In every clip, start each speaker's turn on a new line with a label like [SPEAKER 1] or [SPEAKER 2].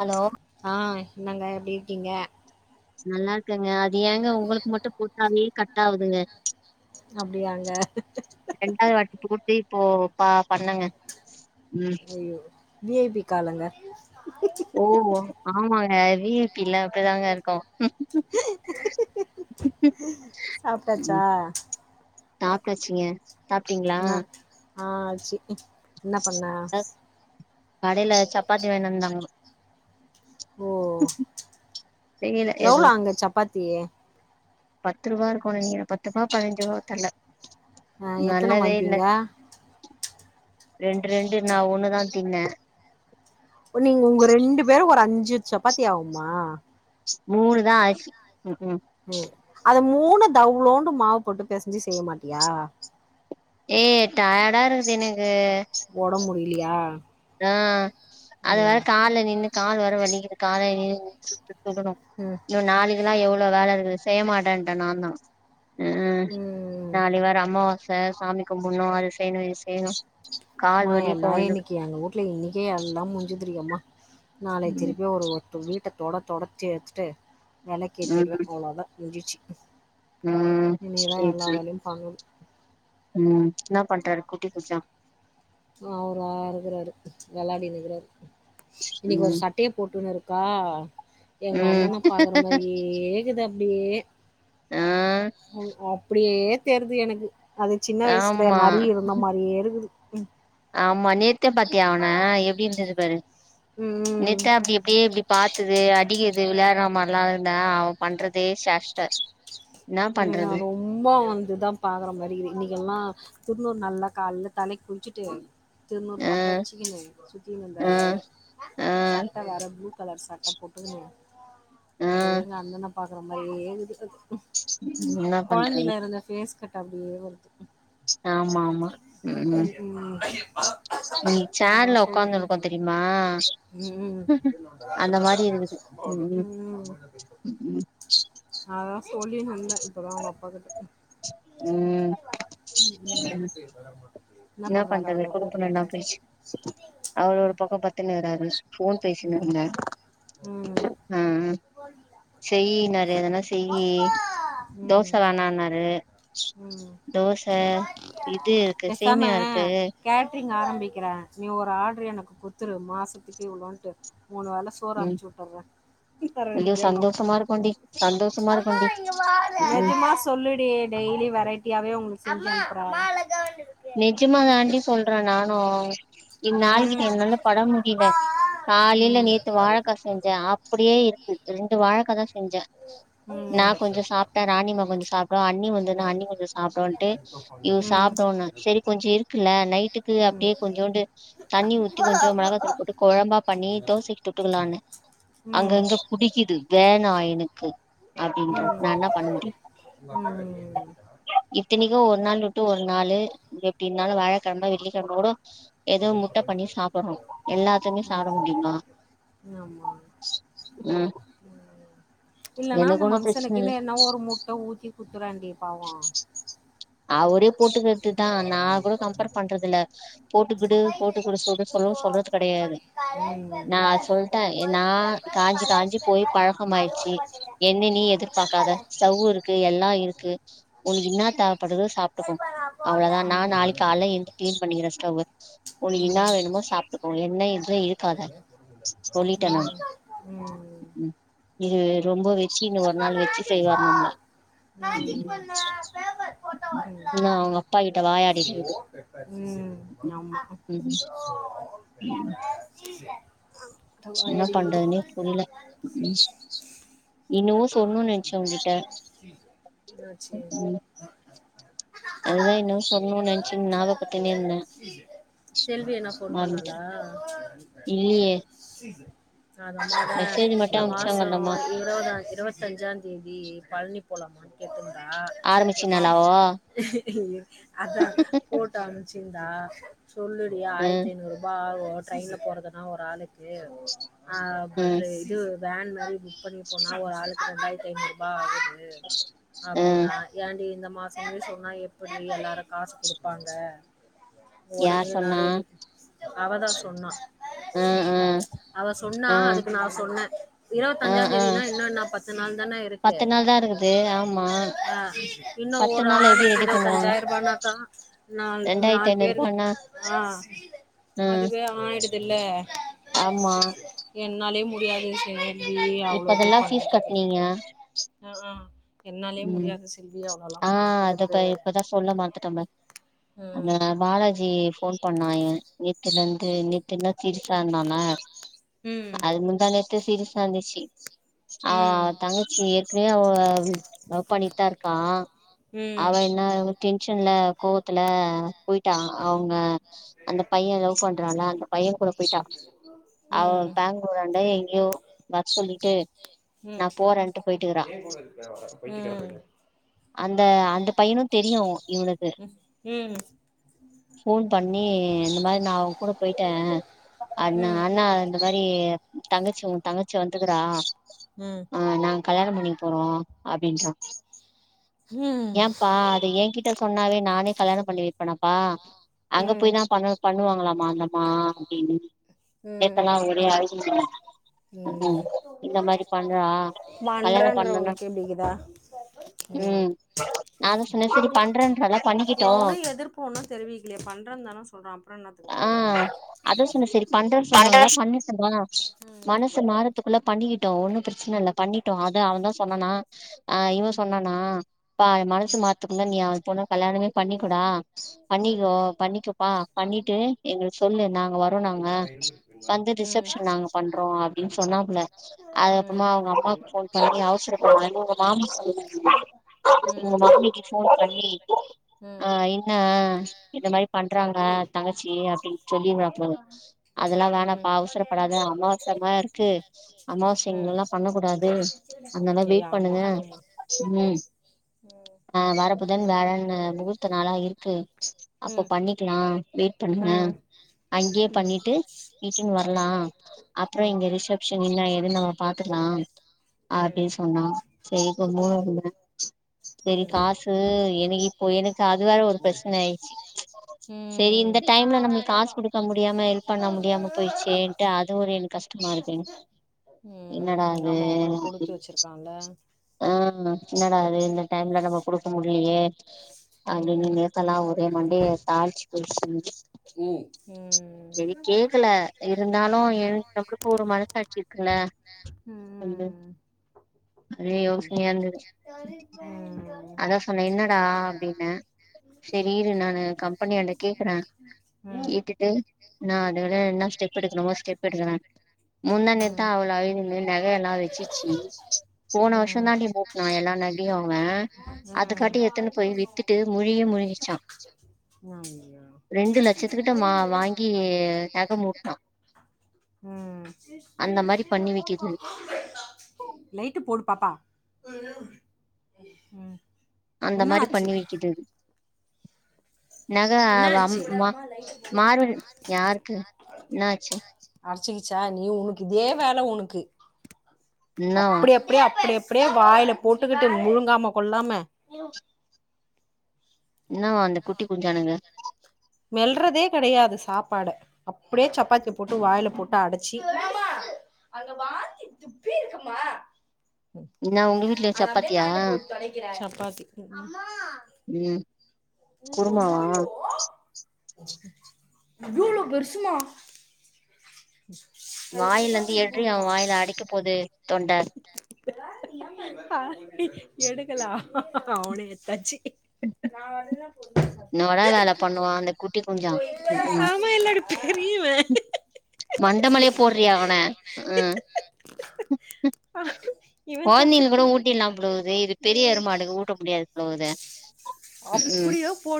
[SPEAKER 1] Hello
[SPEAKER 2] ஆஹ் என்னங்க எப்டி யிருக்கீங்க
[SPEAKER 1] நல்லா இல்லங்க அது ஏங்க உங்களுக்கு மட்டும் போட்டாலே கட் ஆகுதுங்க
[SPEAKER 2] அப்டியாங்க
[SPEAKER 1] ரெண்டாவது வாட்டி கூட்டிப்போ பாப் பண்ணுங்க உம்
[SPEAKER 2] ஐயோ வி ஐ பி காலுங்க
[SPEAKER 1] ஓ ஆமாங்க வி ஐ பி ல அப்படிதாங்க இருக்கும்
[SPEAKER 2] சாப்பிட்டாச்சா
[SPEAKER 1] சாப்பிடாச்சிங்க அப்டிங்கலா
[SPEAKER 2] ஆஹ் அரிசி என்ன பண்ணேன்
[SPEAKER 1] அ கடையில சப்பாத்தி வாங்கீன்னு வந்தாங்க
[SPEAKER 2] ஓ
[SPEAKER 1] தெரியல
[SPEAKER 2] எவ்ளோ
[SPEAKER 1] ஏதோ
[SPEAKER 2] அங்க சப்பாத்தி
[SPEAKER 1] பத்து ரூபா இருக்கும் நினைக்கிறேன் பத்து ரூபா பதினஞ்சு ரூபா தெர்ல
[SPEAKER 2] அஹ் எத்தனை
[SPEAKER 1] நல்லவே இல்ல
[SPEAKER 2] வந்தீங்க
[SPEAKER 1] ரெண்டு ரெண்டு நான் ஒண்ணுதான் தின்னேன்
[SPEAKER 2] ஓ நீங் உங் ரெண்டு பேரும் ஒரு அஞ் ஞ்சு சப்பாத்தி ஆவுமா
[SPEAKER 1] மூணு தா ஆச்சு ம் ம்
[SPEAKER 2] மூணு தவுளோண்டு மாவு போட்டு பெசஞ்சு செய்ய மாட்டியா
[SPEAKER 1] ஏ டயர்டா இருக்குது எனக்கு
[SPEAKER 2] ஓட முடியு இல்லியா
[SPEAKER 1] ஆஹ் அது வற கால்ல நின்னுட் கால் வேர வலிக்க காலையிலே நின்னுட்டு எதனோ
[SPEAKER 2] ம்
[SPEAKER 1] இன்னு நாளுகிலோ எவு வீட்ல வேல இருக்கு செய்ய மாட்டேன்ட நான்தா உம்
[SPEAKER 2] ம்
[SPEAKER 1] நாளை வார அம்மாவாஸ் ந்த சுவாமி கும்புனு அது செய்யணு இது செய்யணும் கால் வலிக்கு இன்னுக்
[SPEAKER 2] க்கீல் இன்னிக்கே எல்லா முடிஞ்சு டி யம்மா நாளைக்
[SPEAKER 1] ம்
[SPEAKER 2] திருப்பி ஒரு ஒத்த வீட்டத் தொட தொடச்சி எடுத்துட்டு வெளக்கேத்திருவே
[SPEAKER 1] ம்
[SPEAKER 2] அவ்ளோதா முஞ்சிருச்
[SPEAKER 1] ம்
[SPEAKER 2] இன்னுதா எல்லா வேலையு பண்ணனும்
[SPEAKER 1] உம் இன்னா பண்றாரு கூட்டி குச்சா
[SPEAKER 2] அவுரா இருக்குறாரு வெளான்டினுயிருகிறாரு இன்னைக்கு ஒரு
[SPEAKER 1] ம்
[SPEAKER 2] சட்டைய போட்டுன்னு இருக்கா எங்க
[SPEAKER 1] ம்
[SPEAKER 2] அண்ணன்னா பாக்குறா மாரியேக்குது அப்டியே
[SPEAKER 1] ஆஹ்
[SPEAKER 2] அப்டியேத் தெர்து எனக்கு அது சின்ன வயிசுல
[SPEAKER 1] ஆமா
[SPEAKER 2] நரி இருந்த மாரியே இருக்குது உஹம்
[SPEAKER 1] ஆம்மா நேத்தே பாத்தியா அவன எப்டி இருந்தது பாரு
[SPEAKER 2] ம் ம்
[SPEAKER 1] நேத்த அப்டி அப்டியே இப்பிடி பாத்தது அடிக் இது விளையாடுற மாரிலா இருந்தா அவன் பண்றதே சாஷ்ட
[SPEAKER 2] இங்க ரொம்ப வந்துதா பாக்குற மாரி இன்னிக்கெல்லா திருன்னூர் நல்லா கால்ல தலை குளிச்சுட்டு திருநூறு
[SPEAKER 1] ஆ
[SPEAKER 2] பட்ட அச்சுக்குனு
[SPEAKER 1] ஆ
[SPEAKER 2] சுத்தினுந்தாறு
[SPEAKER 1] ஆ
[SPEAKER 2] சட்ட வேற ப்ளூ [unintelligible] கலர் சட்டா போட்டு
[SPEAKER 1] ஆ
[SPEAKER 2] அதே நல்லணம் பாக்குற மாரியே இருக்குது
[SPEAKER 1] என்னா பண்றது
[SPEAKER 2] கொழந்தையில இருந்த பேஸ் கட் அப்டியே வருது
[SPEAKER 1] ஆமா ஆமா ம்
[SPEAKER 2] உம் உம்
[SPEAKER 1] ம்
[SPEAKER 2] அத
[SPEAKER 1] சேர்ல உக்காந்துருக்கோ
[SPEAKER 2] சொல்லிக்கிது
[SPEAKER 1] தெரியுமா
[SPEAKER 2] உம்
[SPEAKER 1] அந்த மாரி இருக்குது ம்
[SPEAKER 2] உம்
[SPEAKER 1] ம் ம்
[SPEAKER 2] அத சொல்லி இருந்த இப்பதான் அவங்க அப்பா கிட்ட உம் உம்
[SPEAKER 1] ம் என்ன பண்றது குடுப்பனா இல்லாம போய்ச்சு அவரோ ஒரு பக்கம் பத்துன்னுக்கிறாரு போன் பேசினுங்க
[SPEAKER 2] ம்
[SPEAKER 1] அஹ் செய்னாறு எதான செய்யி தோச
[SPEAKER 2] ம்.
[SPEAKER 1] வேணாம்னாரு
[SPEAKER 2] ம்.
[SPEAKER 1] தோசா இது இருக்கு
[SPEAKER 2] பேசாம
[SPEAKER 1] சேமியா இருக்கு
[SPEAKER 2] கேட்டரிங் கேட்டரிங் ஆரம்பிக்கிறேன் நீ ஒரு ஆர்டர் எனக்கு கொடுத்துரு மாசத்துக்கு இவ்ளோன்ட்டு மூணு வேல சோறு
[SPEAKER 1] ம்
[SPEAKER 2] அனுச்சு விட்டுறே இப்ப ரெண்டு
[SPEAKER 1] ஐயோ
[SPEAKER 2] பேருக்கு
[SPEAKER 1] சந்தோஷமா இருக்குண்டி சந்தோஷமா இருக்குண்டி ம் ம்
[SPEAKER 2] நிஜமா சொல்லுடி டெய்லி வெரைட்டியாவே உங்களுக்கு செஞ்சு அனுப்பு மா இன் ஆடியபிள்
[SPEAKER 1] நிஜமா தாண்டி சொல்றேன் நானும் இன் ஆளு கிட்ட என்னாலும் பட முடியல காலையில
[SPEAKER 2] ம்.
[SPEAKER 1] நேத்து வாழக்கா செஞ்சேன் அப்டியே இருக்கு ரெண்டு வாழக்கா தான் செஞ்சேன்
[SPEAKER 2] ம். ம்.
[SPEAKER 1] நான் கொஞ்சம் சாப்பிட்டேன் ராணிம்மா கொஞ்சம் சாப்பிட்டு அண்ணி வந்துனா அண்ணி கொஞ்சம் சாப்பிடன்ட்டு இது
[SPEAKER 2] ம்.
[SPEAKER 1] சாப்பிடோனு சரி கொஞ்சம் இருக்குல்ல நைட்டுக்கு
[SPEAKER 2] ம்.
[SPEAKER 1] அப்டியே கொஞ்சோண்டு தண்ணி ஊத்தி கொஞ்சம் மிளகாத்தூள் போட்டு குழம்பா பண்ணி தோசைக்கு தொட்டுக்கலான்னு அங்க
[SPEAKER 2] ம்.
[SPEAKER 1] இங்க புடிக்குது வேணா எனக்கு அப்டின்ற நான் என்ன பண்ண முடியும்
[SPEAKER 2] ம்.
[SPEAKER 1] இத்தனை யோ ஒரு நாள் விட்டு ஒரு நாளு எப்டி இருந்தாலு வியாழக்கிழமை வெள்ளிக்கிழமை கூடோ எல்லாத்தையுமே சாப்ட முடியுமா ம்
[SPEAKER 2] இல்லன்னா
[SPEAKER 1] எனக்கு
[SPEAKER 2] அந்த
[SPEAKER 1] ஒன்னு பிரச்சன இல்ல
[SPEAKER 2] மனுஷனுக்குன்னு என்ன ஒரு முட்டை ஊத்தி குடுத்துறண்டிய பாவோம்
[SPEAKER 1] ஆ ஒரு போட்டுக்கட்டு தான் நான் கூட கம்பேர் பண்றது இல்ல போட்டுக்கிடு போட்டுக்குடு சொல்ல சொல்ல சொல்றது கிடையாது நான் சொல்லிட்டேன் நான் காஞ்சி காஞ்சி போய் பழக்கம் ஆயிடுச்சு என்ன நீ எதிர்பார்க்காத ஸ்டவ் இருக்கு எல்லா இருக்கு உனக்கு என்ன தேவ அது சாப் அவ்ளோ தான் நான் நாளைக்கு கால்ல எழுந்து கிளீன் பண்ணிக்கிறேன் ஸ்டவ்வு உனக்கு என்னா
[SPEAKER 2] ம்.
[SPEAKER 1] வேணுமோ சாப்பிட்டுக்கோ என்ன இருக்காத சொல்லிட்டேன் நான்
[SPEAKER 2] ம்.
[SPEAKER 1] மம் இது ரொம்ப வச்சு இன்னும் ஒரு நாள் வச்சு செய்வாரு நம்மள ம் இன்னு அவங்க அப்பா கிட்ட வாயாடிட்டு இரு
[SPEAKER 2] உம் ஆமா
[SPEAKER 1] உம்
[SPEAKER 2] சியர்ஸ் அஹ் தோ ஐ ஆம் வம்பு
[SPEAKER 1] புரில
[SPEAKER 2] இலுக்குறாரு
[SPEAKER 1] என்னமோ சொல்லனும் நினைச்சேன் உங்க
[SPEAKER 2] ஆ
[SPEAKER 1] கிட்ட
[SPEAKER 2] சரி.
[SPEAKER 1] அதுதான் என்னமோ சொல்லணும்னு நினைச்சு ஞாபகப்பத்தின்னே இருந்தேன்
[SPEAKER 2] செல்வி என்ன ஃபோன் பண்ணாளா?
[SPEAKER 1] மறந்துட்டேன் இல்லையே
[SPEAKER 2] அதான இந்த மாசம்
[SPEAKER 1] அந்தம்மா
[SPEAKER 2] இருவதாயி இருபத்தஞ்சாம் தேதி பழனி போலாமான்னு கத்துந்தா ஏமா
[SPEAKER 1] ஆரம்பிச்சினாலாவோ
[SPEAKER 2] அத போட்டோ அனுப்சிருந்தா [inaudible] சொல்லுடி
[SPEAKER 1] ம்
[SPEAKER 2] ஆயிரத்திஐய்நூறு ரூபா ஆகுது ட்ரெயின்ல போறதுனா ஒரு ஆளுக்கு ஆஹ் பட்
[SPEAKER 1] ம்
[SPEAKER 2] இது வேன் மாரி புக் பண்ணிப்போனு ஒரு ஆளுக்கு ரெண்டாயிரத்து ஐந்நூறு பா ஆகுது
[SPEAKER 1] ம்
[SPEAKER 2] அப்படின்னா ஏண்டி இந்த மா மாசமே சொன்னா எப்பற்டி எல்லாரும் காசு குடுப்பாங்க உடனே
[SPEAKER 1] யார்
[SPEAKER 2] நான்
[SPEAKER 1] சொன்னா
[SPEAKER 2] ரெடி அவதான் சொன்னா
[SPEAKER 1] ஆ ஆ
[SPEAKER 2] அவ சொன்னா
[SPEAKER 1] ஆ
[SPEAKER 2] அதுக்கு நான் சொன்னேன்
[SPEAKER 1] ஆ
[SPEAKER 2] இருவத்திஞ்சாம்
[SPEAKER 1] ஆ
[SPEAKER 2] தேதி இன்னும் பத்து நாள் தானே இருக்கு
[SPEAKER 1] பத்து நாள் தா இருக்குது ஆமா
[SPEAKER 2] இன்னும்
[SPEAKER 1] பத்து
[SPEAKER 2] ஒரு
[SPEAKER 1] நாள்ல எப்டி
[SPEAKER 2] ஆளூக்கு
[SPEAKER 1] ரெடி பண்ணுவாங்க
[SPEAKER 2] இருபத்தஞ்சாயிரம் ரூபானாக்கா
[SPEAKER 1] ரெண்டாயிரத்தி
[SPEAKER 2] நாலு பேர்
[SPEAKER 1] ஐநூறுபானா
[SPEAKER 2] ஆஹ்
[SPEAKER 1] ம்
[SPEAKER 2] அதுவே ஆயிடுதுல்ல
[SPEAKER 1] ஆமா
[SPEAKER 2] உன்னாலே முடியாது செரி
[SPEAKER 1] இப்பதெல்லாம் ஃபீஸ் கட்டனீங்க
[SPEAKER 2] ஆ ஆ என்னாலயே
[SPEAKER 1] உம்
[SPEAKER 2] முடியாது செல்வி அவ்ளோலா
[SPEAKER 1] ஆஹ் அத
[SPEAKER 2] பண்றதுக்கு
[SPEAKER 1] தான் இப்பதான் சொல்ல மறந்துட்டேன் அந்த பாலாஜி போன் பண்ணான் ஏ நேத்து நை ட்டு என்ன சீரிஸா இரூந்தானா
[SPEAKER 2] ம்
[SPEAKER 1] அது முந்தா நேத்தே சீரிஸ் சா இருஞ்சி
[SPEAKER 2] ம்
[SPEAKER 1] ஆஹ் தங்கச்சி ஏற்க்கனவே அவ லவ் பண்ணிட்டு தான் இருக்கான்
[SPEAKER 2] ம்
[SPEAKER 1] அவன் என்னா டென்ஷன்ல கோவத்துல போயிட்டான் அவுங்க அந்த பையன் லவ் பண்றான்ல பைய குட போயிட்டா அவ
[SPEAKER 2] ம்
[SPEAKER 1] பெங்களூறாண்ட எங்கயோ வர் சொல்லிட்டு
[SPEAKER 2] ம்
[SPEAKER 1] நா
[SPEAKER 2] ம்
[SPEAKER 1] போறேன்ட்டு போயிட்டுக்குறா அந்த அந்த பையனு தெரியு இவனுக்கு
[SPEAKER 2] ம்
[SPEAKER 1] ஃபோன் பண்ணி இந்த மாரி நா அவெ கூட போயிட்டே அண்ணா அண்ணா
[SPEAKER 2] ம்
[SPEAKER 1] இந்த மாரி தங்கச்சி உ தங்கச்சி வந்துக்குறா ஆ நாங் கல்யாணம் பண்ணிக் போறோ அப்டின்றா
[SPEAKER 2] ம்
[SPEAKER 1] ஏம்ப்பா அது ஏ கிட்ட சொன்னாவே நானே கல்யாணம் பண்ணி வைப்பேனப்பா
[SPEAKER 2] ம்
[SPEAKER 1] அங்க
[SPEAKER 2] ம்
[SPEAKER 1] போய்தா பண்ண பண்ணுவாங்களாமா அந்தம்மா அப்டின்னு
[SPEAKER 2] ம்
[SPEAKER 1] நேத்தல்லா ஒரே அழுது
[SPEAKER 2] ம்
[SPEAKER 1] [unintelligible] இந்த மாரி பண்றா கல்யாணம்
[SPEAKER 2] பண்றன்ற
[SPEAKER 1] பண்ணனு
[SPEAKER 2] உனக்கு எப்டிக்குதா ம்
[SPEAKER 1] உம் நா தா சொன்னே செரி பண்றேன்றால்ல பண்ணிக்கிட்டு
[SPEAKER 2] க்கிலியே பண்றன் தானே சொல்றா அப்ற என்னத்துக்கு போகணு
[SPEAKER 1] அதா சொன்னே சரி பண்றேன்னு சொன்னாங்களா
[SPEAKER 2] [unintelligible] ம் [unintelligible]
[SPEAKER 1] த்துக்குள்ளப் பண்ணிக்கிட்டூ ஒன்னு பிரச்சன இல்ல பண்ணிட்டு அது அவன் தா சொன்னனா ஆ‌ இவெ
[SPEAKER 2] ம்
[SPEAKER 1] சொன்னானா பா அவெ மனசு மாத்துக்குல்ல நீ அ பொண்ண கல்யாணமே பண்ணி கடா
[SPEAKER 2] ம்
[SPEAKER 1] பண்ணிக்கோ பண்ணிக்கப்பா பண்ணிட்டு எங்களுக்கு சொல்லு நாங்க வரோ நாங்க வந்து
[SPEAKER 2] ம்
[SPEAKER 1] ரிசப்ஷன் நாங்க பண்றோ அப்டின் சொன்னாப்புல அது
[SPEAKER 2] ம்
[SPEAKER 1] அப்புறமா அவுங்க அம்மாக்கு ஃபோன் பண்ணி அவசர [unintelligible] மாமி சொன்னா உங்க மாமிக்கு ஃபோன் பண்ணி
[SPEAKER 2] ம்
[SPEAKER 1] ஆ
[SPEAKER 2] ம்
[SPEAKER 1] இங் அ அ இந்த மாரி பண்றாங்க தங்கச்சி அப்டின் சொல்லிர்வாப்ல அதெல்லா
[SPEAKER 2] ம்
[SPEAKER 1] வேணப்பா அவசரப்படாத அமாவசல்லா இருக்கு
[SPEAKER 2] ம்
[SPEAKER 1] அமாவாசைங்கல்லா பண்ணக் கூடாது அத்னால
[SPEAKER 2] ஏய்
[SPEAKER 1] வெய்ட்
[SPEAKER 2] ஆமா
[SPEAKER 1] பண்ணுங்க
[SPEAKER 2] ம்
[SPEAKER 1] உம்
[SPEAKER 2] ம்
[SPEAKER 1] வர புதன் வேலன்னு முகூர்த்த நாளா இரு க்கு அப்ப
[SPEAKER 2] ம்
[SPEAKER 1] பண்ணிக்லா வெயிட்
[SPEAKER 2] ம் ம் ம்
[SPEAKER 1] பண்ணுங்க அங்கயே பண்ணிட்டு ஈசிங் வர்லா அப்றொ இங்க ரிசப்ஷன் என்ன ஏதுன் நம்ம பாத்துக்லா
[SPEAKER 2] ம்
[SPEAKER 1] அப்டி சொன்னா சேரிப்ப
[SPEAKER 2] ம்
[SPEAKER 1] மூணு [inaudible] செரி காசு எனக்கு இப்போ எனக்கு அது வேற ஒரு பிரச்சன ஆயிச்சி செரி
[SPEAKER 2] ம்
[SPEAKER 1] இந்த டைம்ல நம்மளுக் காசு கொடுக்க முடியாம ஹெல்ப் பண்ண முடியாம போயிச்சேன்ட்டு அது ஒரு எனக்கு கஷ்டமா இருக்கு எனக் என்னடா இது
[SPEAKER 2] கொடுத்து வச்சுருக்கான்ல
[SPEAKER 1] ஆ என்னடா இது இந்த டைம்ல நம்ம குடுக்க முடில்லயே அது நீ
[SPEAKER 2] ம்
[SPEAKER 1] நேத்தல்லா ஒரே மண்டைய தாளிச்சு போச்சு
[SPEAKER 2] ம்
[SPEAKER 1] செரி கேக்கல இருந்தாலு என் நம்ளுக்கு ஒரு மனசாட்சி இருக்குல்ல சொல்லு அதே
[SPEAKER 2] உம்
[SPEAKER 1] யோசனையா இருந்தது
[SPEAKER 2] [unintelligible] உம்.
[SPEAKER 1] அதா சொன்ன என்னடா. அப்டின்னா சேரி இரு நானு கம்பெனியான்ட கேக்குற.
[SPEAKER 2] ம் ம்
[SPEAKER 1] கேட்டுட்டு நா அத விட என்ன ஸ்டெப் எடுக்கணுமோ ஸ்டெப் எடுக்கற.
[SPEAKER 2] ம்
[SPEAKER 1] முந்தாணேத்துதா அவள [unintelligible] நகைய எல்லா வச்சிச்சி ம்ச். போன
[SPEAKER 2] ம்
[SPEAKER 1] வருஷோதான்டி மூட்னோ எல்லா நகையு அவ.
[SPEAKER 2] உம். உஹம்
[SPEAKER 1] முழியே முழுகிச்சான் ரெண்டு லட்சத்துக்கிட்ட மா வாங்கி நகை மூட்னா
[SPEAKER 2] உம்
[SPEAKER 1] அந்த மாரி பண்ணி வைக்குது
[SPEAKER 2] லைட்டு போடுப்பாப்பா. [unintelligible] உம்.
[SPEAKER 1] அந்த மாரி பண்ணி வைக்குது அது. நக
[SPEAKER 2] என்ன
[SPEAKER 1] அவ
[SPEAKER 2] ஆச்சு
[SPEAKER 1] அம்மா மாருவட யாருக்கு என்ன ஆச்சு.
[SPEAKER 2] அரச்சிக்கிச்சா நீ உனக்கு இதே வேல உனக்கு.
[SPEAKER 1] என்னாவா
[SPEAKER 2] அப்படி அப்படியே அப்படி அப். அப்படியே வாயில போட்டுக்கிட்டு முழுங்காம கொள்ளாம.
[SPEAKER 1] என்னவா அந்த குட்டி குஞ்சானுங்க.
[SPEAKER 2] மெல்றதே கிடையாது சாப்பாட அப்படியே சப்பாத்தி போட்டு வாயில போட்டு அடைச்சு. அதுல வாந்தி துப்பி இருக்கும்மா.
[SPEAKER 1] என்னா உங்க வீட்ல
[SPEAKER 2] அத அப்படியே
[SPEAKER 1] சப்பாத்தியா
[SPEAKER 2] மேட்டு போட்டு தொடைக்குற. பசிக் அம்மா.
[SPEAKER 1] உம். குருமாவா.
[SPEAKER 2] இவ்விவ்வலோ பெருசுமா. [inaudible]
[SPEAKER 1] வாயிலருந்து எடுடி அவ வாயில அடைக்க போது. தொண்ட.
[SPEAKER 2] [unintelligible] ஹ எடுக்கலா. ஹஹ அவனே எடுத்தாச்சி. நா வருதா.
[SPEAKER 1] உன்னவுட வேல பண்ணுவா அந்த குட்டி குஞ்சா. உக்கு உம்
[SPEAKER 2] ஆமா எல்லாரு பெரியவன்
[SPEAKER 1] மண்டமேலயே போடுடி அவன. [unintelligible]
[SPEAKER 2] இவன்
[SPEAKER 1] கொழந்தில கூட
[SPEAKER 2] சப்பக்கி
[SPEAKER 1] ஊட்டில்லா போலிருக்குது இது பெரிய எருமமாடுக்கு ஊட்ட முடியாது போலருக்குதே உக்கு.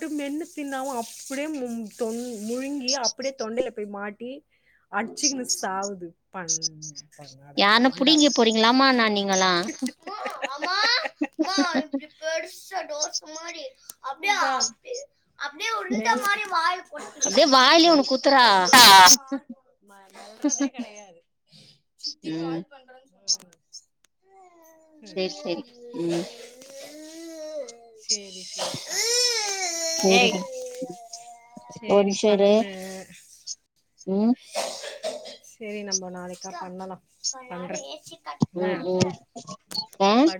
[SPEAKER 2] டு மென்னு தின்னாவு அப்படியே மும் தொண். முழுங்கி அப்படியே தொண்டையில. போய் மாட்டி. அடிச்சுக்குன்னு சாவுது பண் பண்ணாட கண்டாவது.
[SPEAKER 1] என்னமா நா நீங்களா. [unintelligible]
[SPEAKER 2] அப்பிடியா பேஸ்னா அப்படியே உருண்டை மாரி வாய்ல போட்டு
[SPEAKER 1] அப்டியே வாயிலே ஒண்ணு குத்துறா
[SPEAKER 2] [unintelligible] சொல்லரதே கிடையாது சித்தி
[SPEAKER 1] ம்
[SPEAKER 2] கால் பண்ற
[SPEAKER 1] சேரி சேரி உம்
[SPEAKER 2] சேரி சேரி ஏய்
[SPEAKER 1] சேரிடி
[SPEAKER 2] சேரி பண்ணு
[SPEAKER 1] உம்
[SPEAKER 2] சேரி நம்ம நாளைக்கா பண்ணலாம் பண்றேன்
[SPEAKER 1] உம் உம் ஆஹ்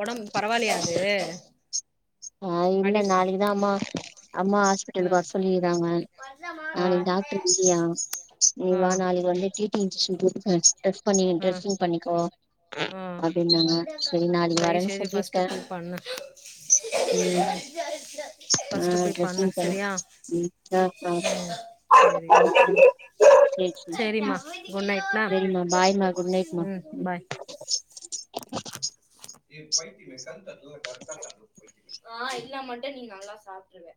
[SPEAKER 2] ஒடம் பரவால்லயா அது
[SPEAKER 1] ஆஹ் இல்ல
[SPEAKER 2] அடி
[SPEAKER 1] நாளைக்குதான் அம்மா அம்மா
[SPEAKER 2] ஆ
[SPEAKER 1] ஹாஸ்பிட்டலுக்கு வர சொல்லிருறாங்க நாளைக்கு டாக்டர் பிஸியாம் நீ
[SPEAKER 2] ஆ
[SPEAKER 1] வா நாளைக்கு வந்து T T injection bat bed rest
[SPEAKER 2] ஆஹ ஆஹ
[SPEAKER 1] அப்டின்னாங்க சரி நாளைக்கு
[SPEAKER 2] தயவு
[SPEAKER 1] வரேன்னு
[SPEAKER 2] செய்து பஸ்ட்போய் பண்ணு
[SPEAKER 1] உம்
[SPEAKER 2] ஃபர்ஸ்ட்
[SPEAKER 1] ஆஹ
[SPEAKER 2] போய் பண்ணு
[SPEAKER 1] டிரசிங் பண்ணி
[SPEAKER 2] சரியா ம் சேரி
[SPEAKER 1] [unintelligible]
[SPEAKER 2] மேம்
[SPEAKER 1] பாய்மா குட் நைட் மா
[SPEAKER 2] அதுவும் கரெக்டா ஆஹ் இல்ல மட்டும் நீ நல்லா சாப்புட்ருவ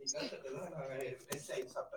[SPEAKER 2] [unintelligible] சாப்டேன்